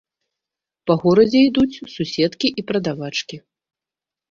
Па горадзе ідуць суседкі і прадавачкі.